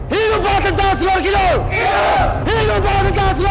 hidup bala kental segor kidul